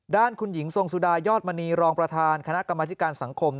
ด้านคุณหญิงทรงสุดายอดมณีรองประธานคณะกรรมธิการสังคม